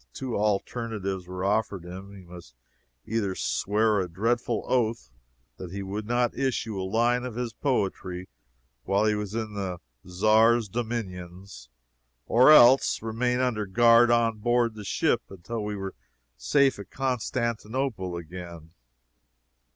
Two alternatives were offered him he must either swear a dreadful oath that he would not issue a line of his poetry while he was in the Czar's dominions, or else remain under guard on board the ship until we were safe at Constantinople again.